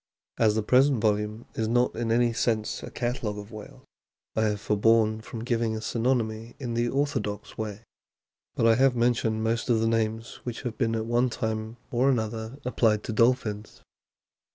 As the present volume is not in any sense a catalogue of whales, I have forborne from giving a synonymy in the orthodox way ; but I have mentioned most of the names which have been at one time or another applied to dolphins.